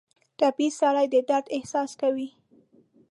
ټپي سړی د درد احساس کوي.